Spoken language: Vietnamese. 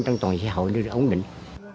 trong toàn xã hội đưa ra ổn định